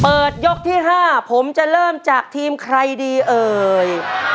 ยกที่๕ผมจะเริ่มจากทีมใครดีเอ่ย